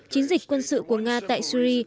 chiến dịch quân sự của nga tại syri